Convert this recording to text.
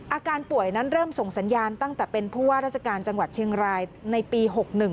อาการป่วยนั้นเริ่มส่งสัญญาณตั้งแต่เป็นผู้ว่าราชการจังหวัดเชียงรายในปี๖๑